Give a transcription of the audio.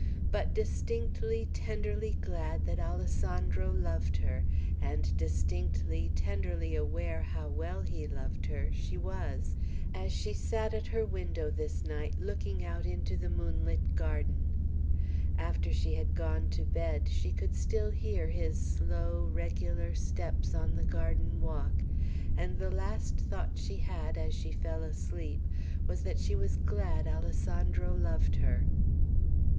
But distinctly, tenderly glad that Alessandro loved her, and distinctly, tenderly aware how well he loved her, she was, as she sat at her window this night, looking out into the moonlit garden; after she had gone to bed, she could still hear his slow, regular steps on the garden walk, and the last thought she had, as she fell asleep, was that she was glad Alessandro loved her.